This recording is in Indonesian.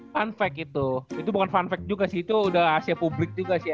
fun fact itu itu bukan fun fact juga sih itu udah asia publik juga sih